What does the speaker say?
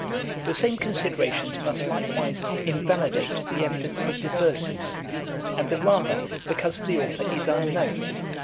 The same considerations must likewise invalidate the evidence of the verses, and the rather, because the author is unknown.